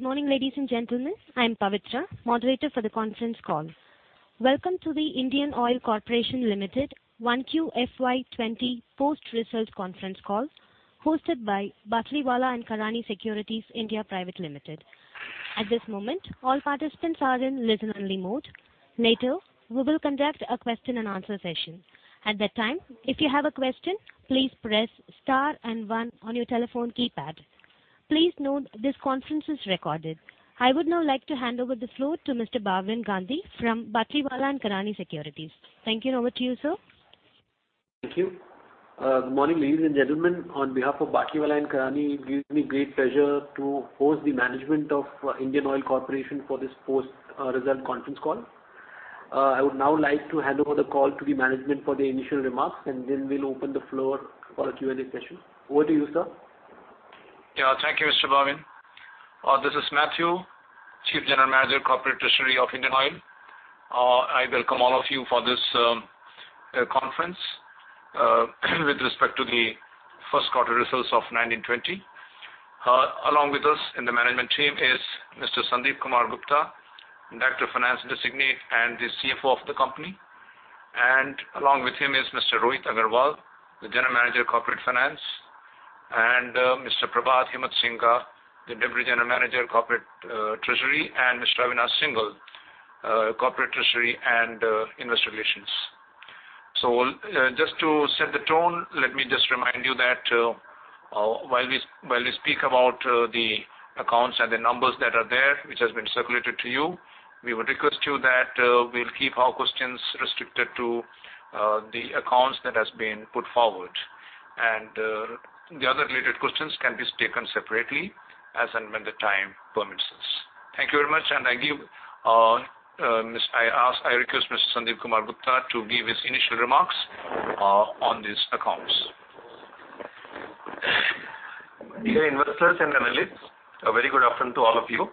Good morning, ladies and gentlemen. I am Pavitra, moderator for the conference call. Welcome to the Indian Oil Corporation Limited 1Q FY 2020 post-result conference call, hosted by Batlivala & Karani Securities India Private Limited. At this moment, all participants are in listen-only mode. Later, we will conduct a question and answer session. At that time, if you have a question, please press star and one on your telephone keypad. Please note this conference is recorded. I would now like to hand over the floor to Mr. Bhavin Gandhi from Batlivala & Karani Securities. Thank you. Over to you, sir. Thank you. Good morning, ladies and gentlemen. On behalf of Batlivala & Karani, it gives me great pleasure to host the management of Indian Oil Corporation for this post-result conference call. I would now like to hand over the call to the management for the initial remarks, and then we'll open the floor for a Q&A session. Over to you, sir. Thank you, Mr. Bhavin. This is Mathew, Chief General Manager, Corporate Treasury of Indian Oil. I welcome all of you for this conference with respect to the first quarter results of 2019-2020. Along with us in the management team is Mr. Sandeep Kumar Gupta, Director of Finance Designate and the CFO of the company. Along with him is Mr. Rohit Agarwal, the General Manager of Corporate Finance, Mr. Prabhat Himatsingka, the Deputy General Manager, Corporate Treasury, and Mr. Avinash Singhal, Corporate Treasury and Investor Relations. Just to set the tone, let me just remind you that while we speak about the accounts and the numbers that are there, which has been circulated to you, we would request you that we'll keep our questions restricted to the accounts that has been put forward. The other related questions can be taken separately as and when the time permits us. Thank you very much, and I request Mr. Sandeep Kumar Gupta to give his initial remarks on these accounts. Dear investors and analysts, a very good afternoon to all of you.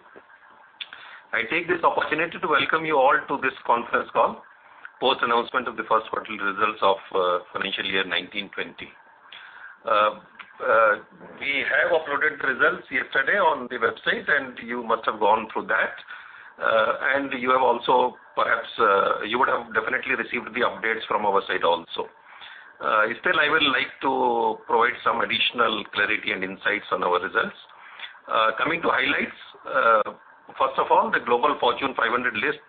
I take this opportunity to welcome you all to this conference call, post announcement of the first quarterly results of financial year 2019-2020. We have uploaded results yesterday on the website. You must have gone through that. You would have definitely received the updates from our side also. Still, I would like to provide some additional clarity and insights on our results. Coming to highlights, first of all, the global Fortune 500 list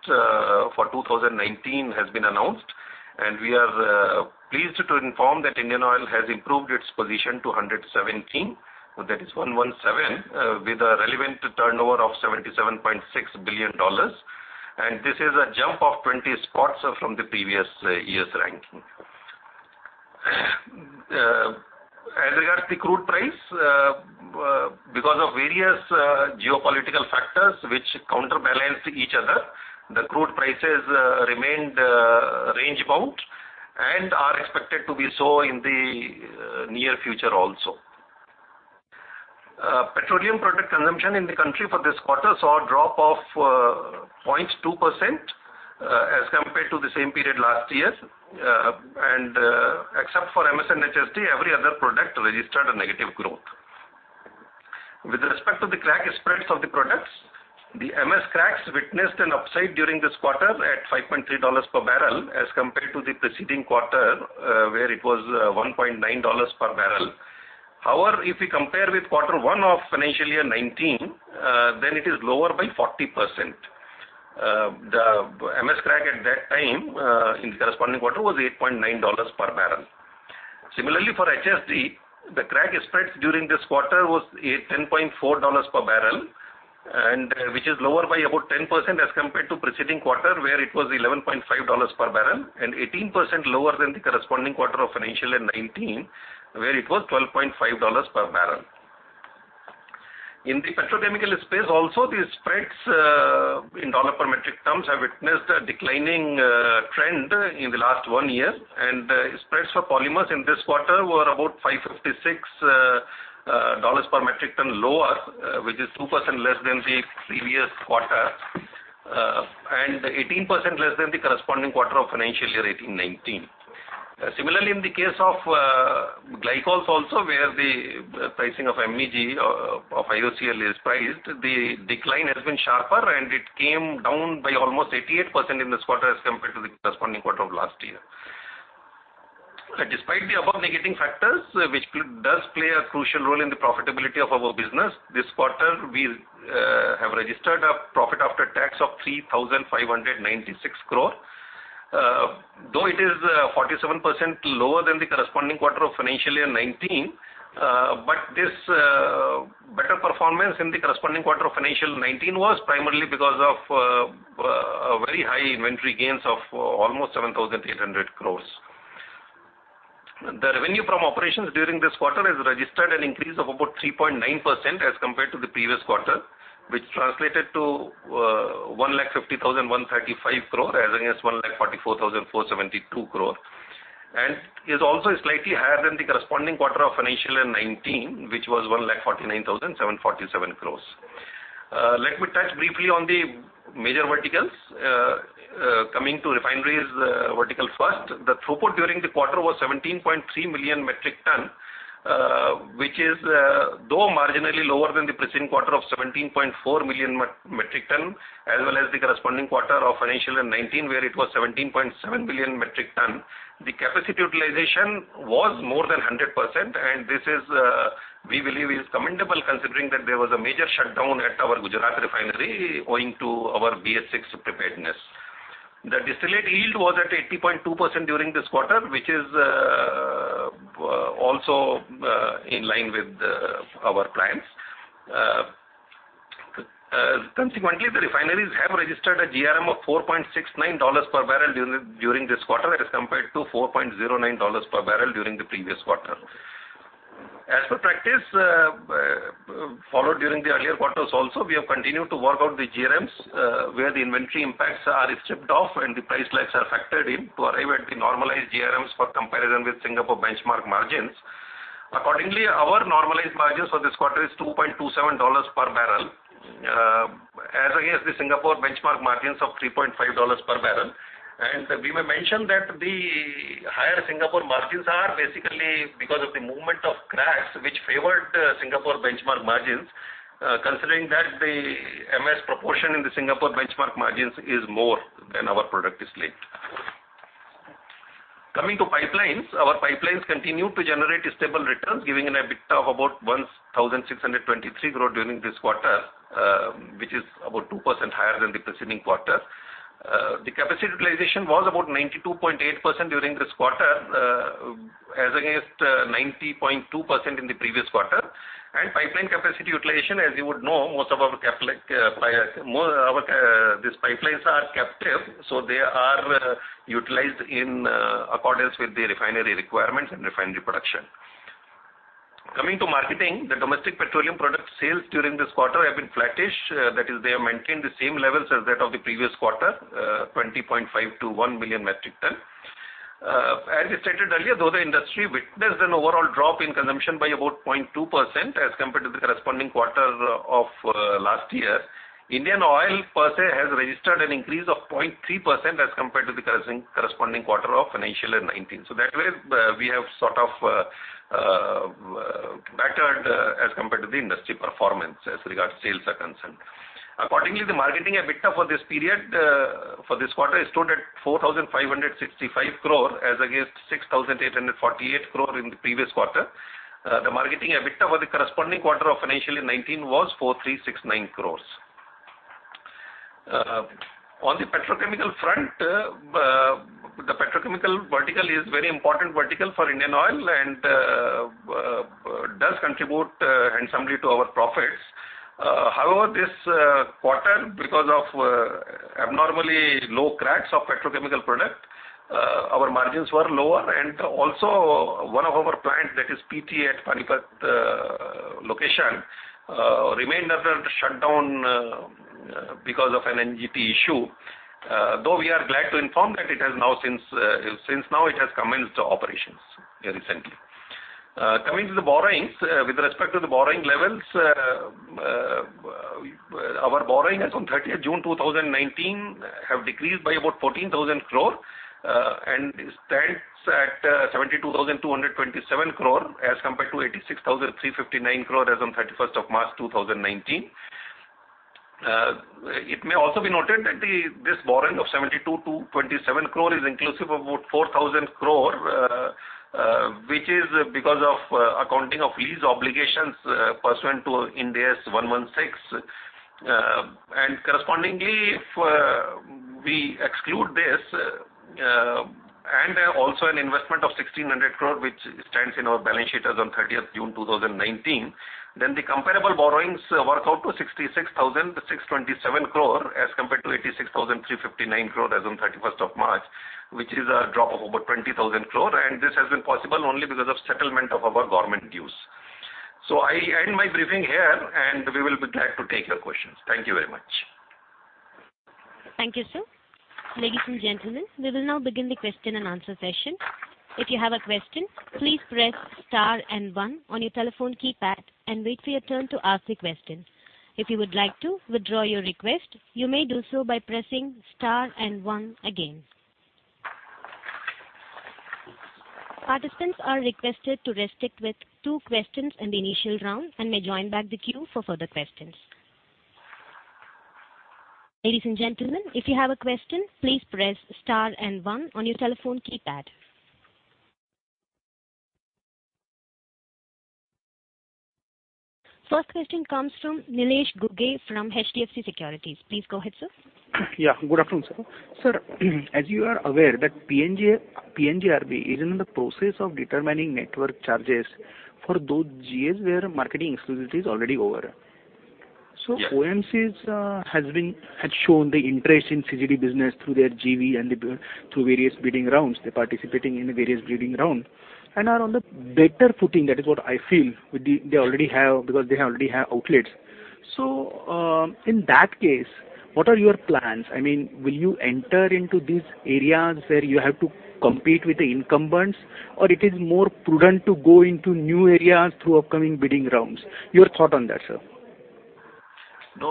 for 2019 has been announced. We are pleased to inform that Indian Oil has improved its position to 117, with a relevant turnover of $77.6 billion. This is a jump of 20 spots from the previous year's ranking. As regards the crude price, because of various geopolitical factors which counterbalanced each other, the crude prices remained range-bound, and are expected to be so in the near future also. Petroleum product consumption in the country for this quarter saw a drop of 0.2% as compared to the same period last year. Except for MS and HSD, every other product registered a negative growth. With respect to the crack spreads of the products, the MS cracks witnessed an upside during this quarter at $5.3 per barrel as compared to the preceding quarter, where it was $1.9 per barrel. However, if we compare with Quarter One of financial year 2019, then it is lower by 40%. The MS crack at that time, in the corresponding quarter, was $8.90 per barrel. Similarly, for HSD, the crack spreads during this quarter was INR 10.4 per barrel, which is lower by about 10% as compared to preceding quarter, where it was INR 11.5 per barrel, and 18% lower than the corresponding quarter of financial year 2019, where it was INR 12.5 per barrel. In the petrochemical space also, the spreads in INR per metric ton have witnessed a declining trend in the last one year, and spreads for polymers in this quarter were about INR 556 per metric ton lower, which is 2% less than the previous quarter, and 18% less than the corresponding quarter of financial year 2018-2019. Similarly, in the case of glycols also, where the pricing of MEG of IOCL is priced, the decline has been sharper, and it came down by almost 88% in this quarter as compared to the corresponding quarter of last year. Despite the above negative factors, which does play a crucial role in the profitability of our business, this quarter, we have registered a profit after tax of 3,596 crore. It is 47% lower than the corresponding quarter of financial year 2019, but this better performance in the corresponding quarter of financial 2019 was primarily because of a very high inventory gains of almost 7,800 crore. The revenue from operations during this quarter has registered an increase of about 3.9% as compared to the previous quarter, which translated to 150,135 crore as against 144,472 crore, and is also slightly higher than the corresponding quarter of financial year 2019, which was 149,747 crore. Let me touch briefly on the major verticals. Coming to refineries vertical first, the throughput during the quarter was 17.3 million metric ton, which is, though marginally lower than the preceding quarter of 17.4 million metric ton, as well as the corresponding quarter of financial year 2019, where it was 17.7 million metric ton. The capacity utilization was more than 100%, this is, we believe, is commendable considering that there was a major shutdown at our Gujarat refinery owing to our BS VI preparedness. The distillate yield was at 80.2% during this quarter, which is also in line with our plans. Consequently, the refineries have registered a GRM of $4.69 per barrel during this quarter. That is compared to $4.09 per barrel during the previous quarter. As per practice, followed during the earlier quarters also, we have continued to work out the GRMs, where the inventory impacts are stripped off and the price lags are factored in to arrive at the normalized GRMs for comparison with Singapore benchmark margins. Accordingly, our normalized margins for this quarter is $2.27 per barrel, as against the Singapore benchmark margins of $3.50 per barrel. We may mention that the higher Singapore margins are basically because of the movement of cracks, which favored Singapore benchmark margins, considering that the MS proportion in the Singapore benchmark margins is more than our product distillate. Coming to pipelines. Our pipelines continued to generate stable returns, giving an EBITDA of about 1,623 crore during this quarter, which is about 2% higher than the preceding quarter. The capacity utilization was about 92.8% during this quarter, as against 90.2% in the previous quarter. Pipeline capacity utilization, as you would know, most of these pipelines are captive, so they are utilized in accordance with the refinery requirements and refinery production. Coming to marketing. The domestic petroleum product sales during this quarter have been flattish. That is, they have maintained the same levels as that of the previous quarter, 20.521 million metric ton. As I stated earlier, though, the industry witnessed an overall drop in consumption by about 0.2% as compared to the corresponding quarter of last year, Indian Oil per se has registered an increase of 0.3% as compared to the corresponding quarter of financial year 2019. That way, we have sort of bettered as compared to the industry performance as regards sales are concerned. Accordingly, the marketing EBITDA for this quarter stood at 4,565 crore as against 6,848 crore in the previous quarter. The marketing EBITDA for the corresponding quarter of financial year 2019 was 4,369 crore. On the petrochemical front, the petrochemical vertical is very important vertical for Indian Oil and does contribute handsomely to our profits. This quarter, because of abnormally low cracks of petrochemical product, our margins were lower and also one of our plant, that is PTA at Panipat location, remained under shutdown because of an NGT issue. We are glad to inform that since now it has commenced operations recently. Coming to the borrowings. With respect to the borrowing levels, our borrowing as on June 30, 2019 have decreased by about 14,000 crore and stands at 72,227 crore as compared to 86,359 crore as on March 31, 2019. It may also be noted that this borrowing of 72,227 crore is inclusive of about 4,000 crore, which is because of accounting of lease obligations pursuant to Ind AS 116. Correspondingly, if we exclude this, also an investment of 1,600 crore, which stands in our balance sheet as on 30th June 2019, then the comparable borrowings work out to 66,627 crore as compared to 86,359 crore as on 31st of March, which is a drop of about 20,000 crore. This has been possible only because of settlement of our government dues. I end my briefing here. We will be glad to take your questions. Thank you very much. Thank you, sir. Ladies and gentlemen, we will now begin the question and answer session. If you have a question, please press star and one on your telephone keypad and wait for your turn to ask the question. If you would like to withdraw your request, you may do so by pressing star and one again. Participants are requested to restrict with two questions in the initial round and may join back the queue for further questions. Ladies and gentlemen, if you have a question, please press star and one on your telephone keypad. First question comes from Nilesh Ghuge from HDFC Securities. Please go ahead, sir. Good afternoon, sir. Sir, as you are aware that PNGRB is in the process of determining network charges for those GAs where marketing exclusivity is already over. Yeah. OMCs had shown the interest in CGD business through their JV and through various bidding rounds. They're participating in various bidding round and are on the better footing. That is what I feel. They already have outlets. In that case, what are your plans? I mean, will you enter into these areas where you have to compete with the incumbents, or it is more prudent to go into new areas through upcoming bidding rounds? Your thought on that, sir.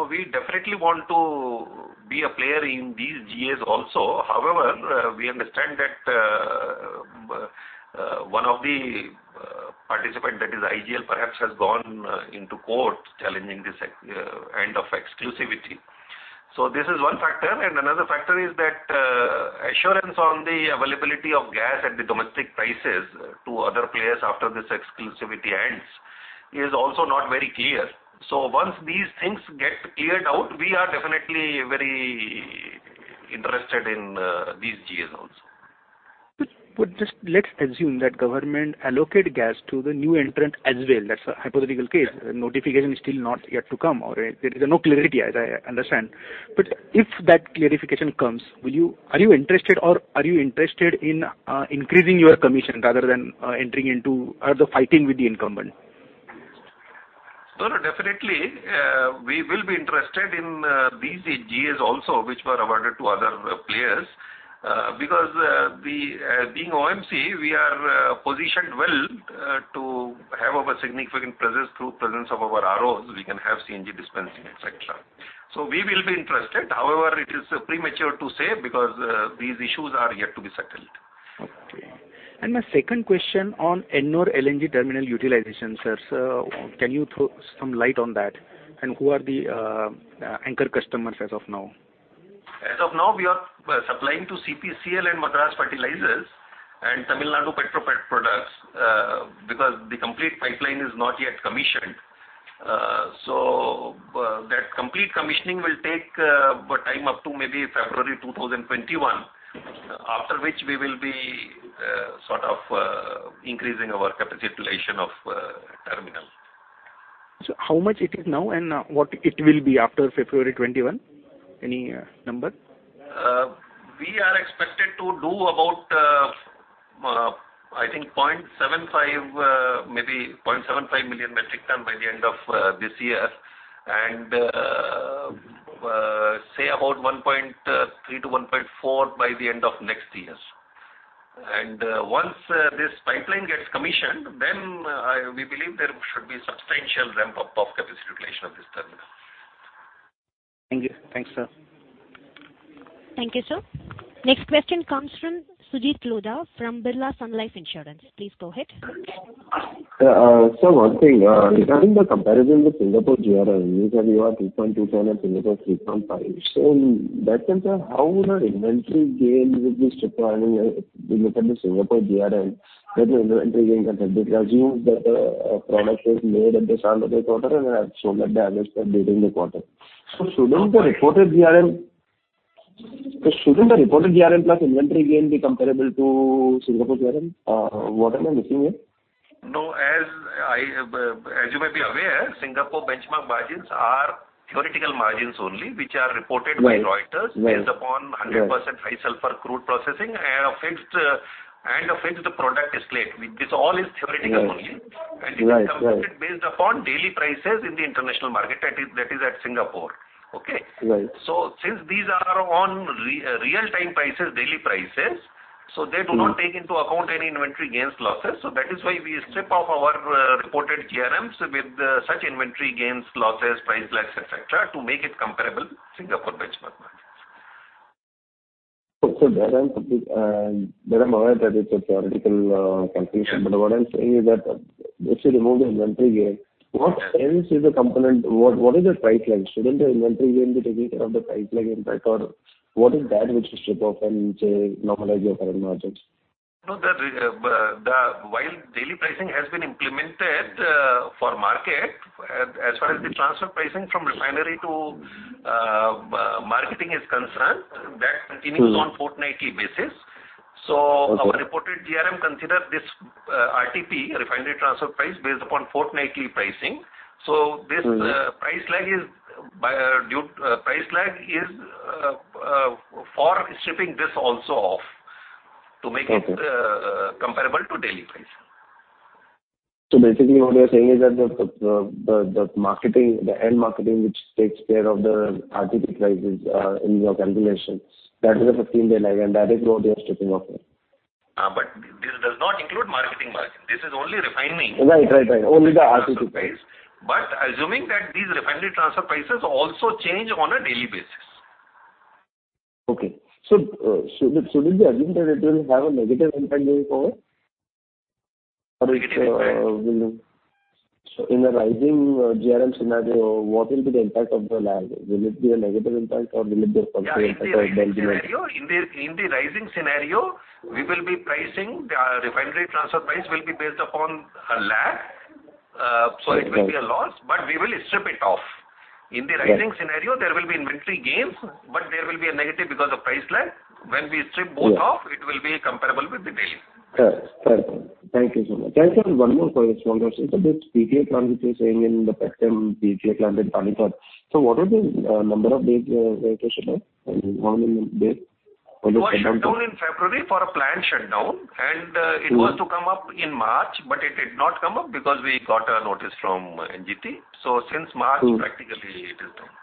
We definitely want to be a player in these GAs also. We understand that one of the participants, that is IGL, perhaps has gone into court challenging this end of exclusivity. This is one factor, and another factor is that assurance on the availability of gas at the domestic prices to other players after this exclusivity ends is also not very clear. Once these things get cleared out, we are definitely very interested in these GAs also. Just let's assume that government allocate gas to the new entrant as well. That's a hypothetical case. Notification is still not yet to come, or there is no clarity as I understand. If that clarification comes, are you interested, or are you interested in increasing your commission rather than entering into the fighting with the incumbent? No, definitely, we will be interested in these GAs also, which were awarded to other players, because being OMC, we are positioned well to have our significant presence through presence of our ROs, we can have CNG dispensing, et cetera. We will be interested. However, it is premature to say because these issues are yet to be settled. Okay. My second question on Ennore LNG terminal utilization, sir. Can you throw some light on that, and who are the anchor customers as of now? As of now, we are supplying to CPCL and Madras Fertilizers and Tamilnadu Petroproducts, because the complete pipeline is not yet commissioned. That complete commissioning will take time up to maybe February 2021, after which we will be increasing our capitalization of terminal. How much it is now, and what it will be after February 2021? Any number? We are expected to do about, I think 0.75, maybe 0.75 million metric ton by the end of this year, say about 1.3 to 1.4 by the end of next year. Once this pipeline gets commissioned, then we believe there should be substantial ramp-up of capitalization of this terminal. Thank you. Thanks, sir. Thank you, sir. Next question comes from Sujit Loda from Birla Sun Life Insurance. Please go ahead. Sir, one thing. Regarding the comparison with Singapore GRM, you said you are 3.2 ton and Singapore 3.5. In that sense, how would an inventory gain will be stripped while looking at the Singapore GRM with the inventory gain compared because that product is made at the end of the quarter and have sold at the average during the quarter. Shouldn't the reported GRM plus inventory gain be comparable to Singapore GRM? What am I missing here? No, as you may be aware, Singapore benchmark margins are theoretical margins only, which are reported. Right by Reuters based upon 100% high sulfur crude processing and a fixed product slate. This all is theoretical only. Right. It is calculated based upon daily prices in the international market, that is at Singapore. Okay? Right. Since these are on real-time prices, daily prices, so they do not take into account any inventory gains, losses. That is why we strip off our reported GRMs with such inventory gains, losses, price lags, et cetera, to make it comparable to Singapore benchmark margins. That I'm aware that it's a theoretical calculation. What I'm saying is that if you remove the inventory gain, what else is the component? What is the price lag? Shouldn't the inventory gain be taken care of the price lag impact or what is that which you strip off and you say normalize your current margins? No, while daily pricing has been implemented for market, as far as the transfer pricing from refinery to marketing is concerned, that continues on fortnightly basis. Our reported GRM consider this RTP, refinery transfer price, based upon fortnightly pricing. This price lag is for stripping this also off to make it comparable to daily price. Basically what you're saying is that the end marketing, which takes care of the RTP prices in your calculations, that is a 15-day lag, and that is what you are stripping off. This does not include marketing margin. This is only refining. Right. Only the RTP. Assuming that these refinery transfer prices also change on a daily basis. Okay. Should it be assumed that it will have a negative impact therefore? Negative impact? In a rising GRM scenario, what will be the impact of the lag? Will it be a negative impact or will it be a positive impact? Yeah, in the rising scenario, refinery transfer price will be based upon a lag. It will be a loss, but we will strip it off. In the rising scenario, there will be inventory gains, but there will be a negative because of price lag. When we strip both off, it will be comparable with the daily. Correct. Thank you so much. Sir, one more for this. This PTA plant which you were saying in the past term, PTA plant in Panipat. What are the number of days it was shut down? How many days? It was shut down in February for a plant shutdown, and it was to come up in March, but it did not come up because we got a notice from NGT. Since March, practically it is down.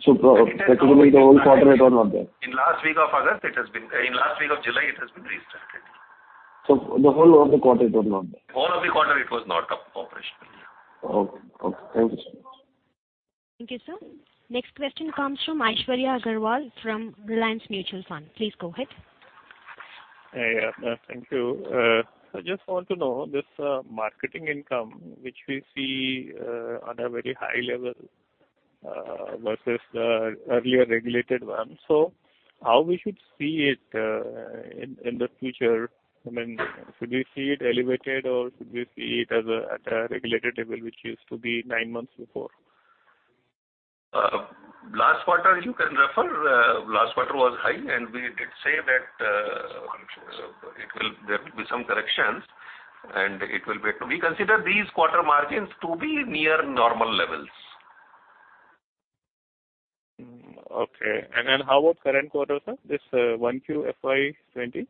Practically the whole quarter it was not there. In last week of July, it has been resumed. The whole of the quarter it was not there. All of the quarter, it was not up operationally. Okay. Thank you so much. Thank you, sir. Next question comes from Aishwarya Agarwal from Reliance Mutual Fund. Please go ahead. Thank you. I just want to know this marketing income, which we see at a very high level versus the earlier regulated one. How we should see it in the future? Should we see it elevated or should we see it at a regulated level, which used to be nine months before? Last quarter, you can refer, last quarter was high, and we did say that there will be some corrections, and we consider these quarter margins to be near normal levels. Okay. then how about current quarter, sir? This 1Q FY 2020?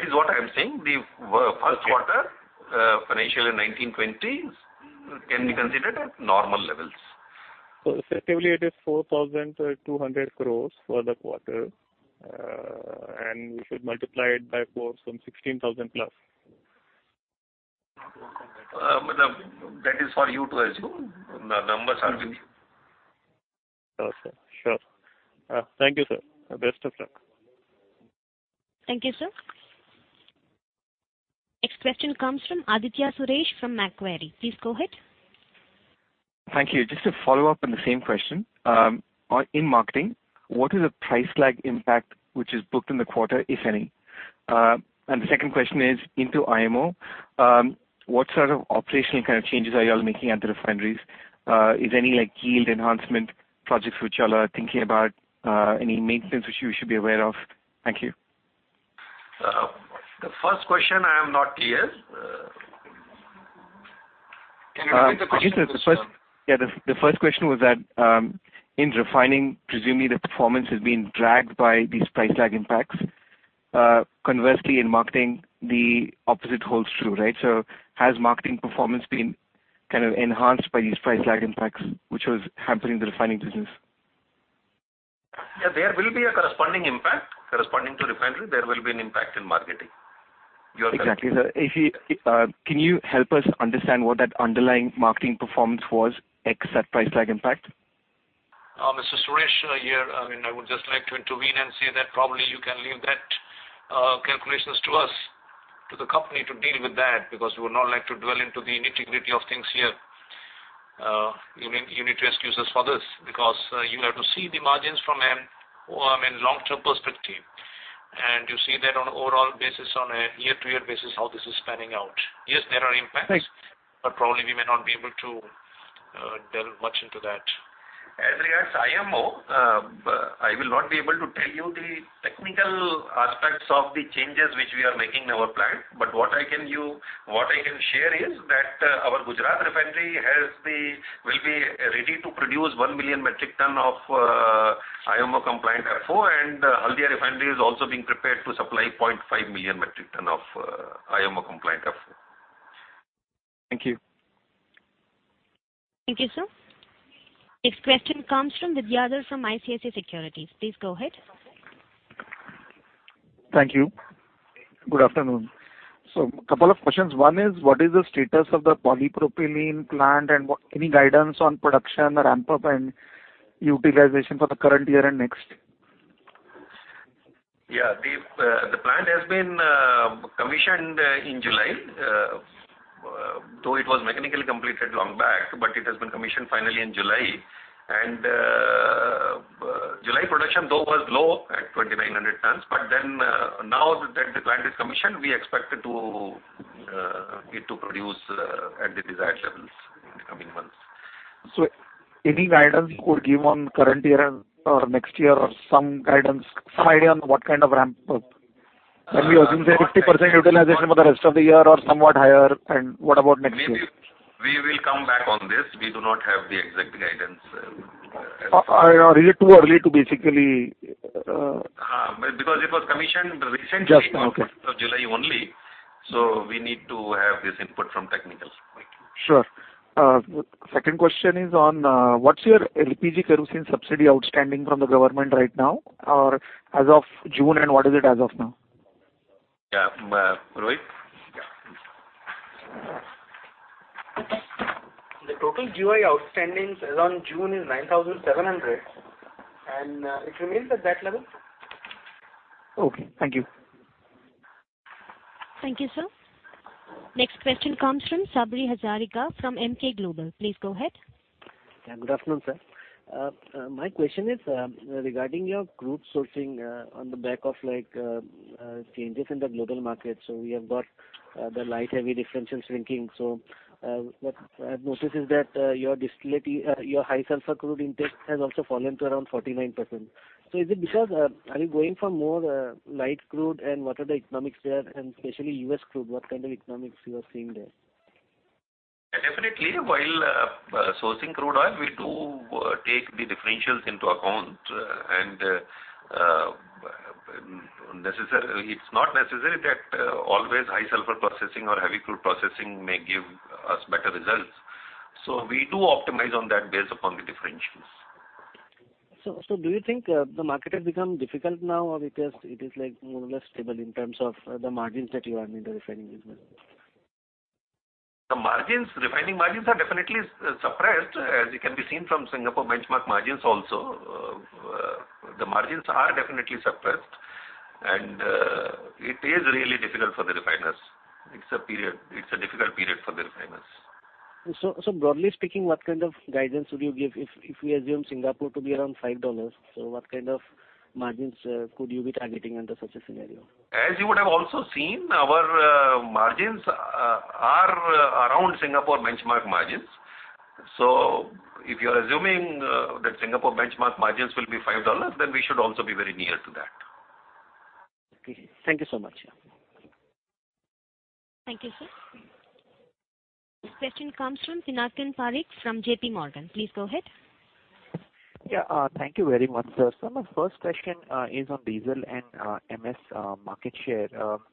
Is what I'm saying, the first quarter financial year 2019-2020 can be considered at normal levels. Effectively it is 4,200 crore for the quarter, and we should multiply it by four, some 16,000 crore plus. That is for you to assume. The numbers are with you. Okay. Sure. Thank you, sir. Best of luck. Thank you, sir. Next question comes from Aditya Suresh from Macquarie. Please go ahead. Thank you. Just a follow-up on the same question. In marketing, what is the price lag impact which is booked in the quarter, if any? The second question is into IMO, what sort of operational kind of changes are you all making at the refineries? Is any yield enhancement projects which you all are thinking about, any maintenance which we should be aware of? Thank you. The first question, I am not clear. Can you repeat the question, please sir? The first question was that in refining, presumably the performance has been dragged by these price lag impacts. Conversely, in marketing, the opposite holds true, right? Has marketing performance been kind of enhanced by these price lag impacts, which was hampering the refining business? There will be a corresponding impact. Corresponding to refinery, there will be an impact in marketing. Exactly, sir. Can you help us understand what that underlying marketing performance was, except price lag impact? Mr. Suresh, here, I would just like to intervene and say that probably you can leave that calculations to us, to the company to deal with that, because we would not like to dwell into the nitty-gritty of things here. You need to excuse us for this, because you have to see the margins from a long-term perspective. You see that on overall basis, on a year-to-year basis, how this is panning out. Yes, there are impacts. Right Probably we may not be able to delve much into that. As regards IMO, I will not be able to tell you the technical aspects of the changes which we are making in our plant. What I can share is that our Gujarat refinery will be ready to produce 1 million metric ton of IMO compliant FO, and Haldia Refinery is also being prepared to supply 0.5 million metric ton of IMO compliant FO. Thank you. Thank you, sir. Next question comes from Vidyadhar from ICICI Securities. Please go ahead. Thank you. Good afternoon. Couple of questions. One is, what is the status of the polypropylene plant and any guidance on production ramp-up and utilization for the current year and next? The plant has been commissioned in July. Though it was mechanically completed long back, but it has been commissioned finally in July. July production, though, was low at 2,900 tons. Now that the plant is commissioned, we expect it to produce at the desired levels in the coming months. Any guidance you could give on current year or next year or some guidance, some idea on what kind of ramp-up? Can we assume say 50% utilization for the rest of the year or somewhat higher? What about next year? Maybe we will come back on this. We do not have the exact guidance as of now. is it too early to basically Because it was commissioned recently. Yes, okay. first of July only. We need to have this input from technical point. Sure. Second question is on, what's your LPG kerosene subsidy outstanding from the government right now, or as of June, and what is it as of now? Yeah. Rohit? Yeah. The total GOI outstandings as on June is 9,700, and it remains at that level. Okay. Thank you. Thank you, sir. Next question comes from Sabri Hazarika from Emkay Global. Please go ahead. Good afternoon, sir. My question is regarding your group sourcing on the back of changes in the global market. We have got the light, heavy differentials shrinking. What I've noticed is that your high sulfur crude intake has also fallen to around 49%. Are you going for more light crude? What are the economics there? Especially U.S. crude, what kind of economics you are seeing there? Definitely, while sourcing crude oil, we do take the differentials into account. It's not necessary that always high sulfur processing or heavy crude processing may give us better results. We do optimize on that based upon the differential. Do you think the market has become difficult now, or it is more or less stable in terms of the margins that you earn in the refining business? The refining margins are definitely suppressed, as it can be seen from Singapore benchmark margins also. The margins are definitely suppressed, and it is really difficult for the refiners. It's a difficult period for the refiners. Broadly speaking, what kind of guidance would you give if we assume Singapore to be around $5? What kind of margins could you be targeting under such a scenario? As you would have also seen, our margins are around Singapore benchmark margins. If you're assuming that Singapore benchmark margins will be $5, then we should also be very near to that. Okay. Thank you so much. Thank you, sir. This question comes from Srinathan Sridhar from JP Morgan. Please go ahead. Yeah. Thank you very much. My first question is on diesel and MS market share.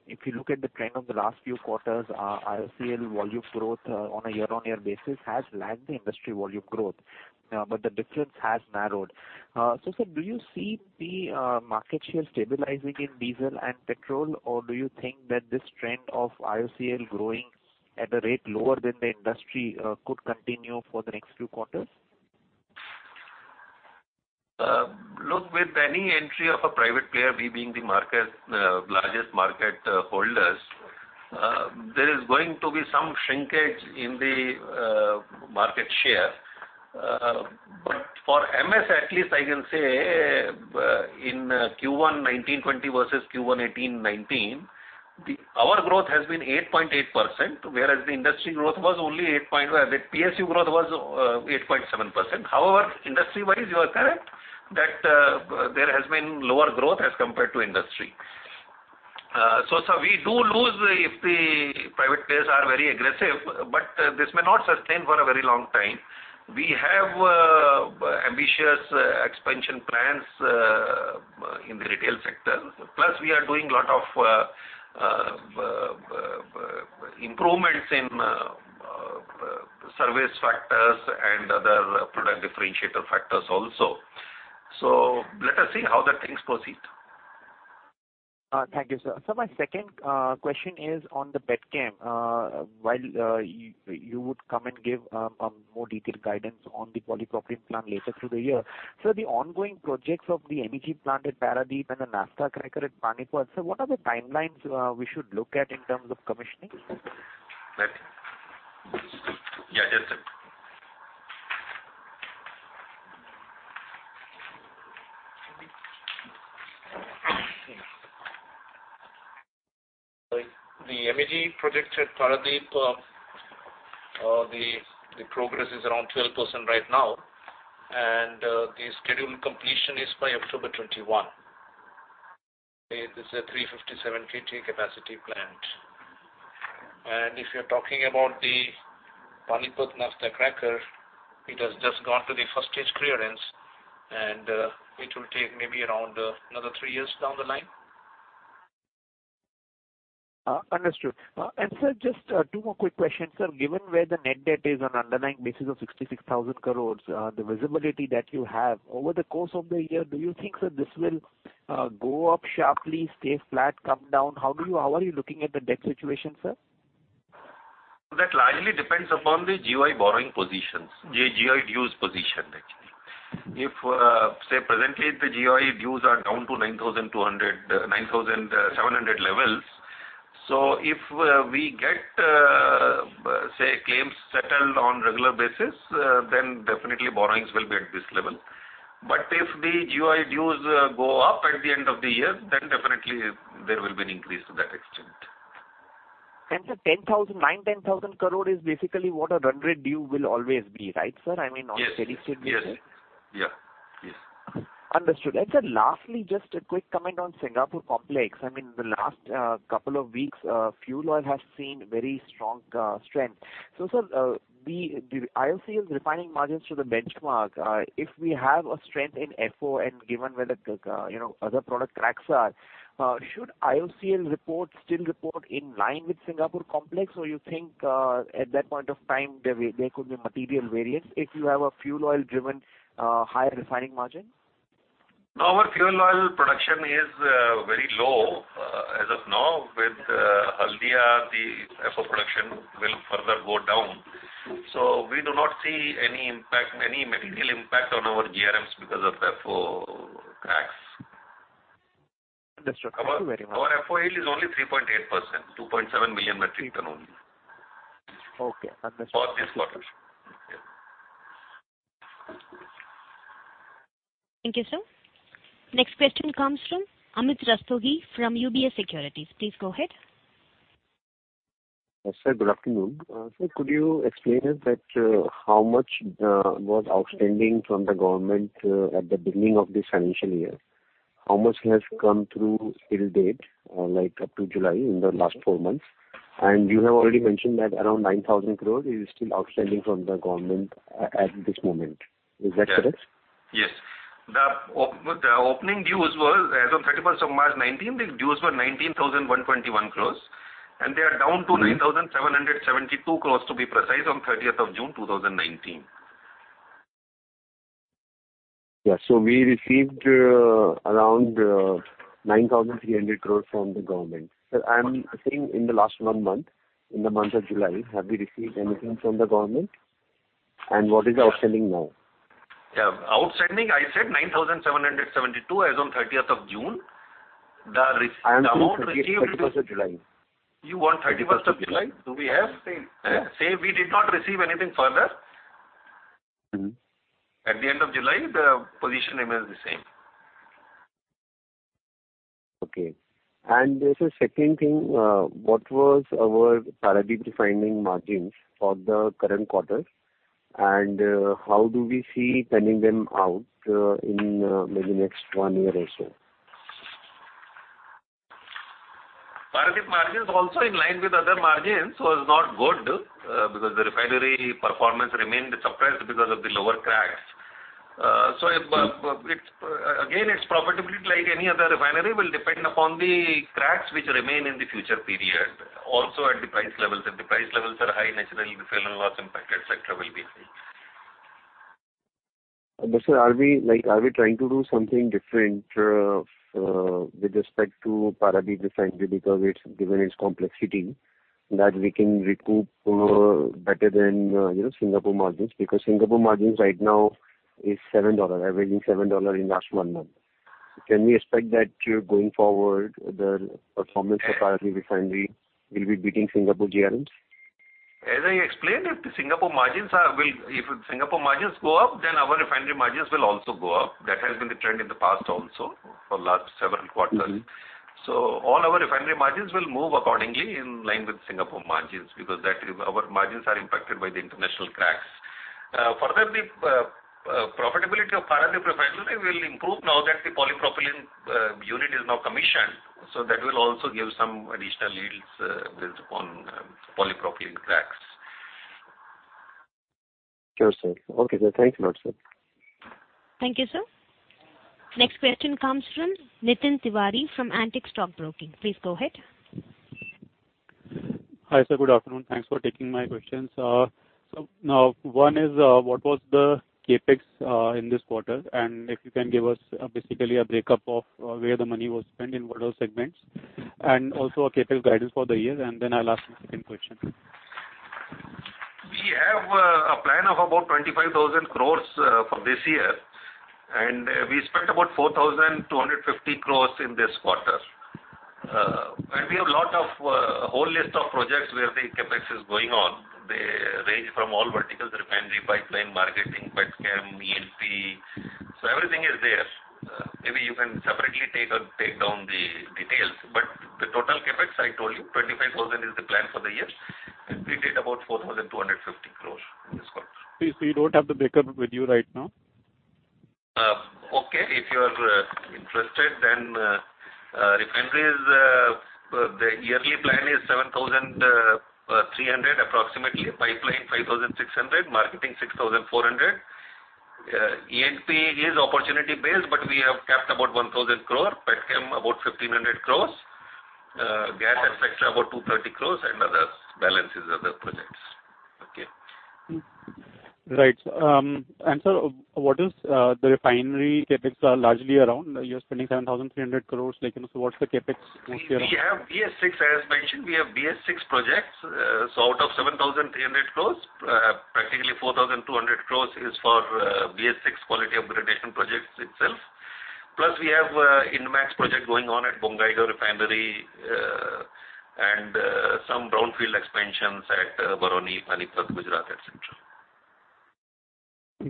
If you look at the trend of the last few quarters, IOCL volume growth on a year-on-year basis has lagged the industry volume growth, but the difference has narrowed. Sir, do you see the market share stabilizing in diesel and petrol, or do you think that this trend of IOCL growing at a rate lower than the industry could continue for the next few quarters? With any entry of a private player, we being the largest market holders, there is going to be some shrinkage in the market share. For MS, at least I can say, in Q1 2019-2020 versus Q1 2018-2019, our growth has been 8.8%, whereas the PSU growth was 8.7%. However, industry-wise, you are correct that there has been lower growth as compared to industry. Sir, we do lose if the private players are very aggressive, but this may not sustain for a very long time. We have ambitious expansion plans in the retail sector. Plus, we are doing a lot of improvements in service factors and other product differentiator factors also. Let us see how the things proceed. Thank you, sir. My second question is on the petchem. While you would come and give a more detailed guidance on the polypropylene plant later through the year. Sir, the ongoing projects of the MEG plant at Paradip and the Naphtha cracker at Panipat, sir, what are the timelines we should look at in terms of commissioning? Yeah, that's it. The MEG project at Paradip, the progress is around 12% right now. The scheduled completion is by October 2021. It is a 357 KT capacity plant. If you're talking about the Panipat Naphtha cracker, it has just gone to the first stage clearance, and it will take maybe around another three years down the line. Understood. Sir, just two more quick questions. Sir, given where the net debt is on underlying basis of 66,000 crores, the visibility that you have. Over the course of the year, do you think that this will go up sharply, stay flat, come down? How are you looking at the debt situation, sir? That largely depends upon the GOI borrowing positions. The GOI dues position, actually. Presently, the GOI dues are down to 9,700 levels. If we get claims settled on regular basis, then definitely borrowings will be at this level. If the GOI dues go up at the end of the year, then definitely there will be an increase to that extent. sir, 9,000 crore, 10,000 crore is basically what a run rate due will always be, right, sir? I mean, on a steady state basis. Yeah. Yes. Understood. Sir, lastly, just a quick comment on Singapore complex. I mean, the last couple of weeks, fuel oil has seen very strong strength. Sir, the IOCL refining margins to the benchmark, if we have a strength in FO, and given where the other product cracks are, should IOCL still report in line with Singapore complex? You think, at that point of time, there could be material variance if you have a fuel oil driven higher refining margin? Our fuel oil production is very low as of now. With Haldia, the FO production will further go down. We do not see any material impact on our GRMs because of FO cracks. Understood. Thank you very much. Our FO yield is only 3.8%, 2.7 million metric ton only. Okay. Understood. For this quarter. Thank you, sir. Next question comes from Amit Rustagi from UBS Securities. Please go ahead. Sir, good afternoon. Sir, could you explain us that how much was outstanding from the government at the beginning of this financial year? How much has come through till date, up to July, in the last four months? You have already mentioned that around 9,000 crores is still outstanding from the government at this moment. Is that correct? Yes. The opening dues were, as on 31st of March 2019, the dues were 19,121 crore. They are down to 9,772 crore, to be precise, on 30th of June 2019. We received around 9,300 crore from the government. Sir, I'm saying in the last one month, in the month of July, have we received anything from the government, and what is the outstanding now? Yeah. Outstanding, I said 9,772 as on 30th of June. The amount received- I'm talking of 31st of July. You want 31st of July? 31st of July. Do we have? We did not receive anything further. At the end of July, the position remains the same. Okay. There's a second thing. What was our Paradip refinery margins for the current quarter, and how do we see turning them out in maybe next one year or so? Paradip margins also in line with other margins, was not good, because the refinery performance remained suppressed because of the lower cracks. Again, its profitability, like any other refinery, will depend upon the cracks which remain in the future period, also at the price levels. If the price levels are high, naturally the final loss impact, et cetera, will be high. Sir, are we trying to do something different with respect to Paradip refinery because given its complexity, that we can recoup better than Singapore margins? Singapore margins right now is averaging $7 in last one month. Can we expect that going forward, the performance of Paradip refinery will be beating Singapore GRMs? As I explained, if Singapore margins go up, then our refinery margins will also go up. That has been the trend in the past also for last several quarters. All our refinery margins will move accordingly in line with Singapore margins, because our margins are impacted by the international cracks. Further, the profitability of Paradip refinery will improve now that the polypropylene unit is now commissioned, that will also give some additional yields based upon polypropylene cracks. Sure, sir. Okay, sir. Thank you much, sir. Thank you, sir. Next question comes from Nitin Tiwari from Antique Stock Broking. Please go ahead. Hi, sir. Good afternoon. Thanks for taking my questions. Now, one is, what was the CapEx in this quarter? If you can give us basically a breakup of where the money was spent, in what all segments, and also a CapEx guidance for the year. Then I'll ask the second question. We have a plan of about 25,000 crore for this year. We spent about 4,250 crore in this quarter. We have a whole list of projects where the CapEx is going on. They range from all verticals, refinery, pipeline, marketing, Petrochemicals, E&P. Everything is there. Maybe you can separately take down the details. The total CapEx, I told you, 25,000 crore is the plan for the year. We did about 4,250 crore in this quarter. You don't have the breakup with you right now? Okay. If you are interested, then refineries, the yearly plan is 7,300 approximately. Pipeline 5,600. Marketing 6,400. E&P is opportunity-based, but we have capped about 1,000 crore. Petrochemicals about 1,500 crores. Gas and et cetera, about 230 crores, and others, balance is other projects. Okay. Right. Sir, what is the refinery CapEx largely around? You are spending 7,300 crore, what's the CapEx mostly around? As mentioned, we have BS VI projects. Out of 7,300 crore, practically 4,200 crore is for BS VI quality upgradation projects itself. Plus, we have INDMAX project going on at Bongaigaon Refinery, and some brownfield expansions at Barauni, Panipat, Gujarat, et cetera.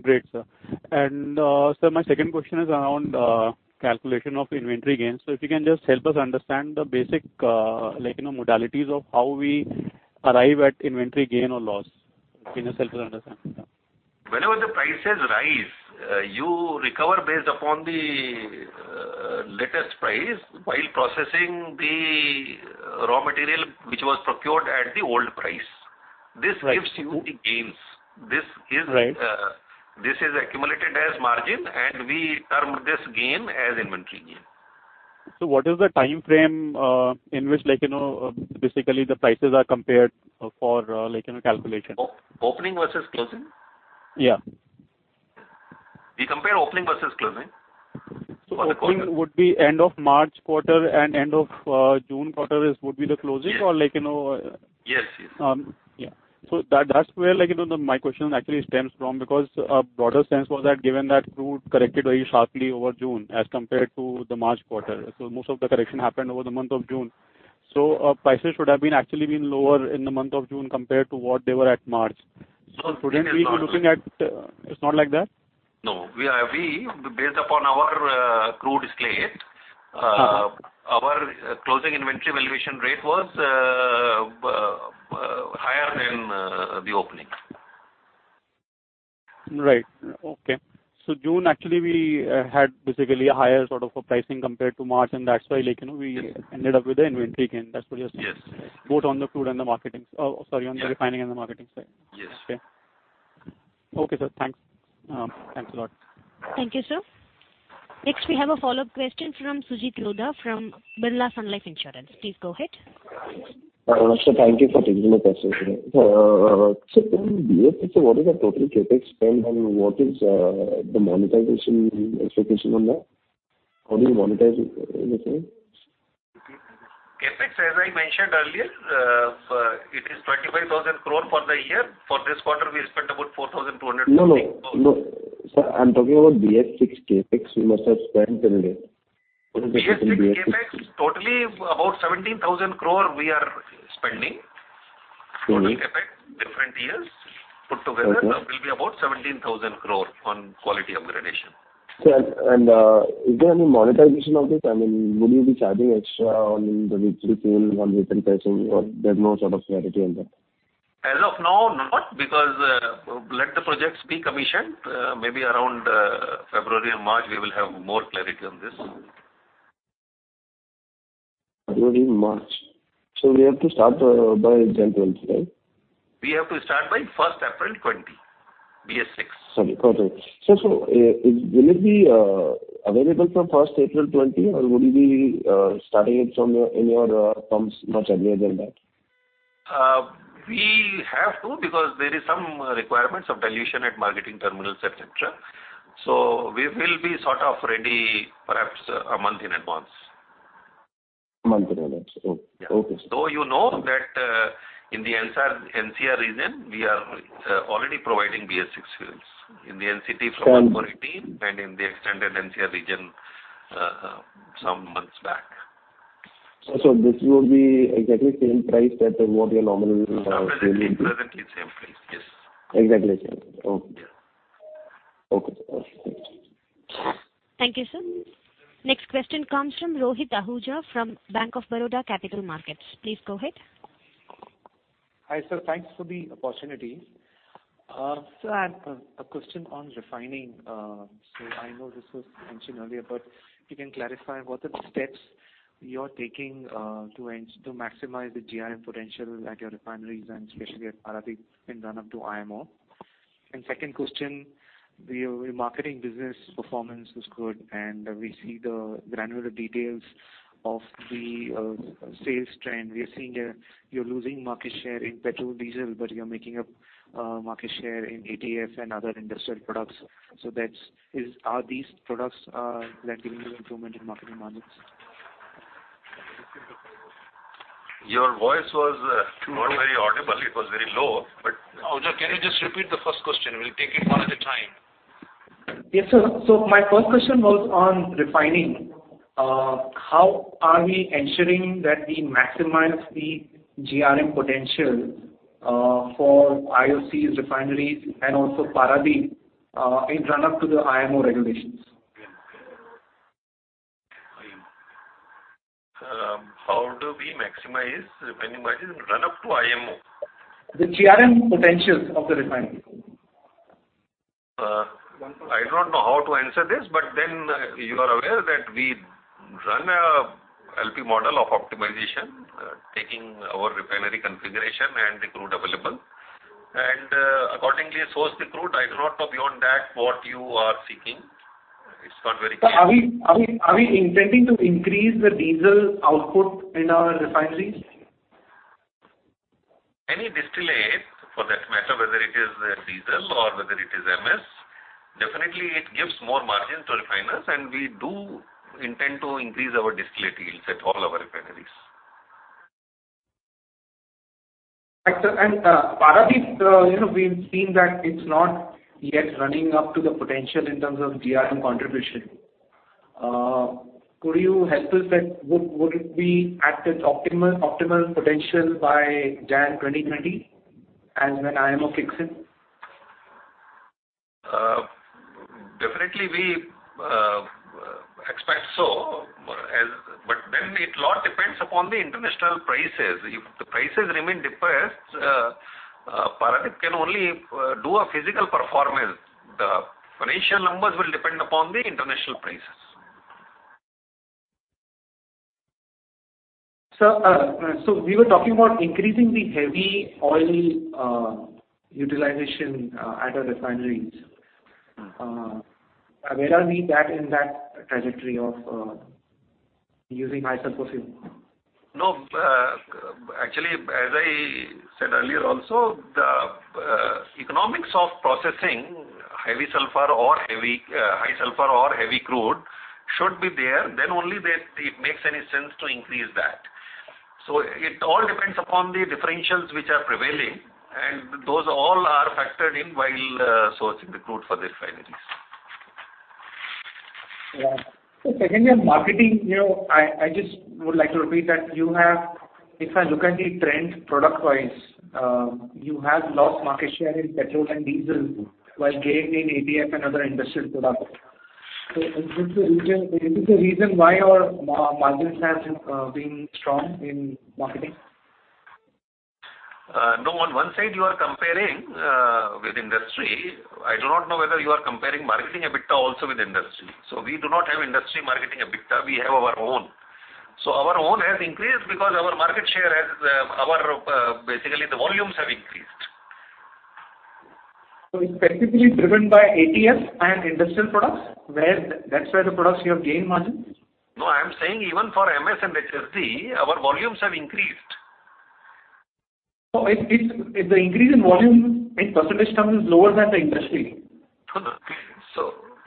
Great, sir. Sir, my second question is around calculation of inventory gains. If you can just help us understand the basic modalities of how we arrive at inventory gain or loss. Can you help us understand? Whenever the prices rise, you recover based upon the latest price while processing the raw material which was procured at the old price. Right. This gives you the gains. Right. This is accumulated as margin, and we term this gain as inventory gain. What is the time frame in which basically the prices are compared for calculation? Opening versus closing? Yeah. We compare opening versus closing for the quarter. Opening would be end of March quarter and end of June quarter would be the closing? Yes. That's where my question actually stems from, because a broader sense was that given that crude corrected very sharply over June as compared to the March quarter. Most of the correction happened over the month of June. Prices should have been actually been lower in the month of June compared to what they were at March. It's not like that? No. Based upon our crude slate, our closing inventory valuation rate was higher than the opening. Right. Okay. June, actually, we had basically a higher sort of a pricing compared to March, and that's why we ended up with the inventory gain. That's what you're saying? Yes. Both on the crude and the Sorry, on the refining and the marketing side. Yes. Okay, sir. Thanks. Thanks a lot. Thank you, sir. Next, we have a follow-up question from Sujit Lodha from Birla Sun Life Insurance. Please go ahead. Sir, thank you for taking my question. Sir, in BS6, what is the total CapEx spend and what is the monetization expectation on that? How do you monetize anything? CapEx, as I mentioned earlier, it is 25,000 crore for the year. For this quarter, we spent about 4,250 crore. No, sir, I'm talking about BS6 CapEx you must have spent till date. BS6 CapEx, totally about 17,000 crore we are spending. Okay. Total CapEx, different years put together will be about 17,000 crore on quality upgradation. Sir, is there any monetization of this? I mean, would you be charging extra on the retail pricing or there's no sort of clarity on that? As of now, not because let the projects be commissioned. Maybe around February or March, we will have more clarity on this. February, March. We have to start by January 20, right? We have to start by 1st April 2020, BS6. Sorry. Got it. Will it be available from 1st April 2020, or would you be starting it from any of the pumps much earlier than that? We have to, because there is some requirements of dilution at marketing terminals, et cetera. We will be sort of ready perhaps a month in advance. A month in advance. Okay. Though you know that in the NCR region, we are already providing BS6 fuels. In the NCT from March 2018, and in the extended NCR region some months back. This will be exactly same price that what you are normally selling. Absolutely. Presently same price. Yes. Exactly same. Okay. Yeah. Okay. Thank you. Thank you, sir. Next question comes from Rohit Ahuja from Bank of Baroda Capital Markets. Please go ahead. Hi, sir. Thanks for the opportunity. Sir, a question on refining. I know this was mentioned earlier, but if you can clarify what are the steps you're taking to maximize the GRM potential at your refineries and especially at Paradip in run up to IMO. Second question, your marketing business performance was good, and we see the granular details of the sales trend. We are seeing that you're losing market share in petrol, diesel, but you're making up market share in ATF and other industrial products. Are these products that giving you improvement in marketing margins? Your voice was not very audible. It was very low. Ahuja, can you just repeat the first question? We'll take it one at a time. Yes, sir. My first question was on refining. How are we ensuring that we maximize the GRM potential for IOC's refineries and also Paradip in run up to the IMO regulations? How do we maximize refining margin run up to IMO? The GRM potentials of the refinery. I do not know how to answer this. You are aware that we run a LP model of optimization, taking our refinery configuration and the crude available, and accordingly source the crude. I do not know beyond that what you are seeking. It is not very clear. Sir, are we intending to increase the diesel output in our refineries? Any distillate, for that matter, whether it is diesel or whether it is MS, definitely it gives more margin to refiners, and we do intend to increase our distillate yields at all our refineries. Right, sir. Paradip, we've seen that it's not yet running up to the potential in terms of GRM contribution. Could you help us then, would it be at its optimal potential by January 2020 and when IMO kicks in? Definitely we expect so. It lot depends upon the international prices. If the prices remain depressed, Paradip can only do a physical performance. The financial numbers will depend upon the international prices. Sir, we were talking about increasing the heavy oil utilization at our refineries. Where are we in that trajectory of using high sulfur fuel? Actually, as I said earlier also, the economics of processing high sulfur or heavy crude should be there, then only that it makes any sense to increase that. It all depends upon the differentials which are prevailing, and those all are factored in while sourcing the crude for refineries. Right. Second year marketing, I just would like to repeat that if I look at the trend product wise, you have lost market share in petrol and diesel while gaining in ATF and other industrial products. Is this a reason why your margins have been strong in marketing? No. On one side, you are comparing with industry. I do not know whether you are comparing marketing EBITDA also with industry. We do not have industry marketing EBITDA. We have our own. Our own has increased because our market share basically, the volumes have increased. It's specifically driven by ATF and industrial products? That's where the products you have gained margin? No, I'm saying even for MS and HSD, our volumes have increased. The increase in volume in percentage terms is lower than the industry.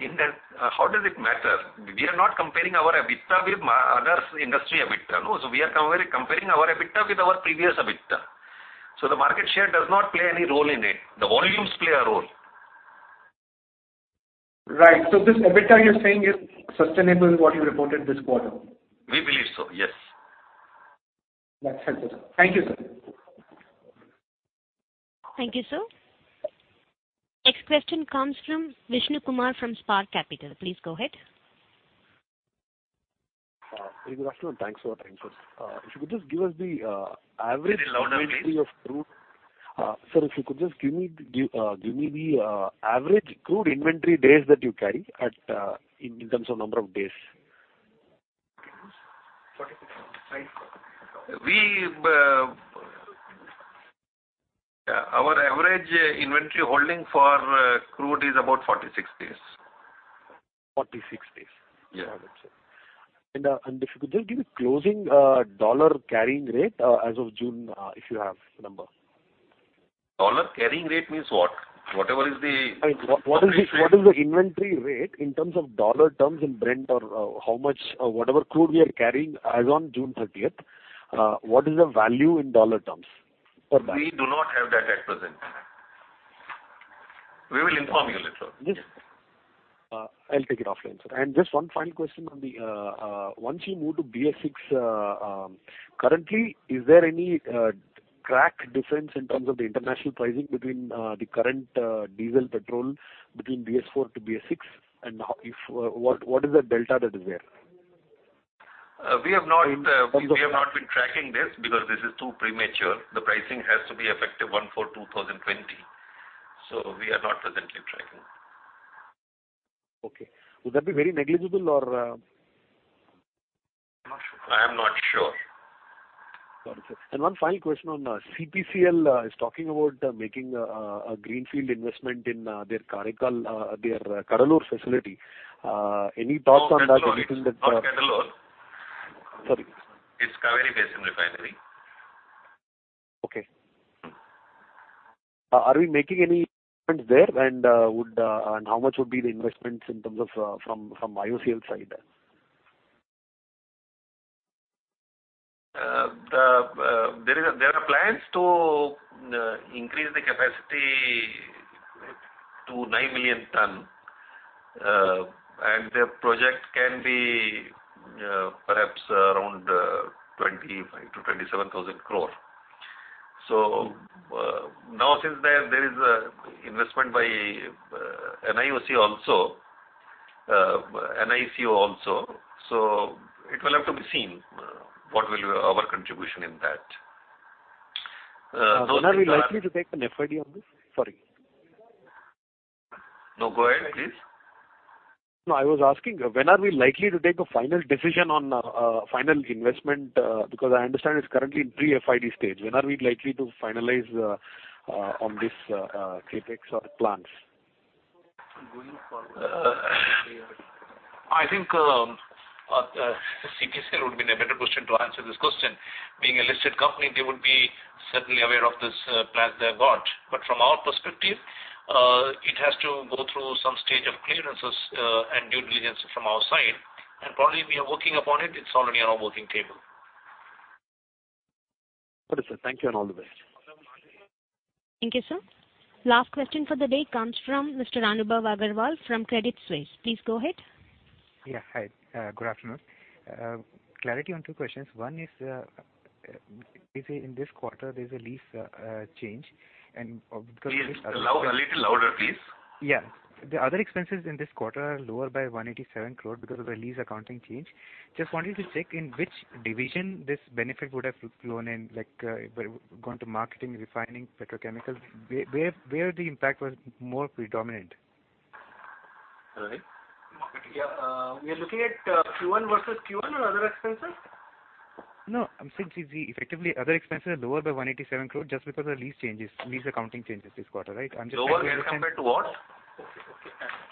In that, how does it matter? We are not comparing our EBITDA with others' industry EBITDA, no. We are comparing our EBITDA with our previous EBITDA. The market share does not play any role in it. The volumes play a role. Right. This EBITDA you're saying is sustainable, what you reported this quarter? We believe so, yes. That's helpful, sir. Thank you, sir. Thank you, sir. Next question comes from Vishnu Kumar from Spark Capital. Please go ahead. Good afternoon. Thanks for the time, sir. If you could just give us the average- Little louder, please. Sir, if you could just give me the average crude inventory days that you carry in terms of number of days. Our average inventory holding for crude is about 46 days. 46 days? Yeah. If you could just give the closing dollar carrying rate as of June, if you have the number. Dollar carrying rate means what? What is the inventory rate in terms of dollar terms in Brent or Whatever crude we are carrying as on June thirtieth, what is the value in dollar terms for that? We do not have that at present. We will inform you later. Yes. I'll take it offline, sir. Just one final question. Once you move to BS6, currently, is there any crack difference in terms of the international pricing between the current diesel petrol between BS4 to BS6, and what is the delta that is there? We have not been tracking this because this is too premature. The pricing has to be effective 1/4/2020. We are not presently tracking. Okay. Would that be very negligible or? I am not sure. Got it, sir. One final question on CPCL is talking about making a greenfield investment in their Cuddalore facility. Any thoughts on that? Not Nagapattinam. Sorry. It's Cauvery Basin Refinery. Okay. Are we making any investments there, and how much would be the investments in terms of from IOCL side? There are plans to increase the capacity to 9 million tons, the project can be perhaps around 25 to 27,000 crore. Now since there is investment by NIOC also, it will have to be seen what will our contribution in that. When are we likely to take an FID on this? Sorry. No, go ahead, please. No, I was asking, when are we likely to take a final decision on final investment? I understand it's currently in pre-FID stage. When are we likely to finalize on this CapEx or plans? I think CPCL would be in a better position to answer this question. Being a listed company, they would be certainly aware of this plan they've got. From our perspective, it has to go through some stage of clearances and due diligence from our side. Currently, we are working upon it. It's already on our working table. Got it, sir. Thank you, and all the best. Thank you, sir. Last question for the day comes from Mr. Anubhav Agarwal from Credit Suisse. Please go ahead. Hi. Good afternoon. Clarity on two questions. One is, in this quarter, there's a lease change. Please, a little louder, please. Yeah. The other expenses in this quarter are lower by 187 crore because of the lease accounting change. Just wanted to check in which division this benefit would have flown in, like gone to marketing, refining, petrochemical. Where the impact was more predominant? Right. Yeah. We're looking at Q1 versus Q1 on other expenses? No, since effectively other expenses are lower by 187 crore just because of the lease changes, lease accounting changes this quarter, right? Lower as compared to what?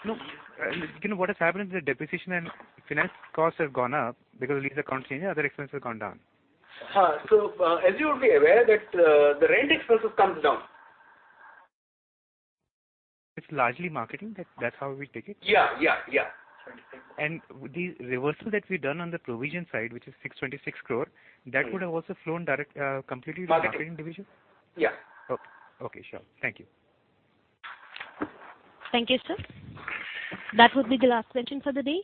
Okay. What has happened is the depreciation and finance costs have gone up because the lease account changes, other expenses have gone down. As you would be aware that the rent expenses comes down. It's largely marketing, that's how we take it? Yeah. The reversal that we've done on the provision side, which is 626 crore, that would have also flown completely to the marketing division? Yeah. Okay, sure. Thank you. Thank you, sir. That would be the last question for the day.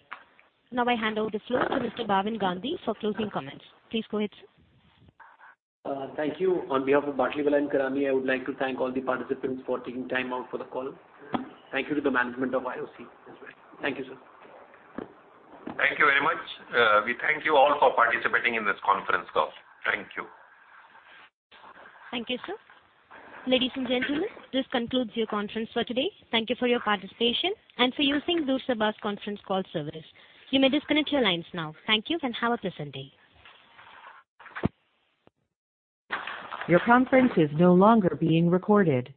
I hand over the floor to Mr. Bhavin Gandhi for closing comments. Please go ahead, sir. Thank you. On behalf of Batlivala & Karani, I would like to thank all the participants for taking time out for the call. Thank you to the management of IOC as well. Thank you, sir. Thank you very much. We thank you all for participating in this conference call. Thank you. Thank you, sir. Ladies and gentlemen, this concludes your conference for today. Thank you for your participation and for using Door Sabha Conference Call service. You may disconnect your lines now. Thank you, and have a pleasant day. Your conference is no longer being recorded.